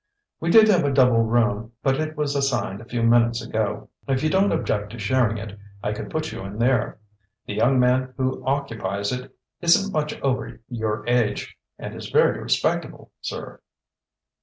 "We did have a double room but it was assigned a few minutes ago. If you don't object to sharing it, I could put you in there. The young man who occupies it isn't much over your age, and is very respectable, sir."